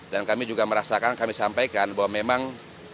dan kami juga merasakan kami sampaikan bahwa memang